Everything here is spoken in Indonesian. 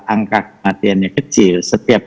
angka kematiannya kecil setiap